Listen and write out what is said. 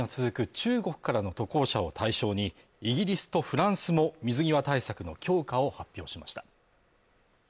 中国からの渡航者を対象にイギリスとフランスも水際対策の強化を発表しました。